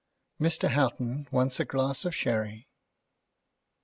MR. HOUGHTON WANTS A GLASS OF SHERRY.